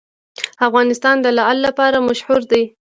افغانستان د لعل لپاره مشهور دی.